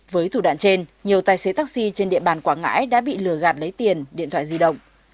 với thủ đoạn trên nhiều tài xế taxi trên địa bàn quảng ngãi đã bị lừa gạt lấy tiền điện thoại di động